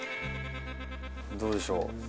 どうでしょう？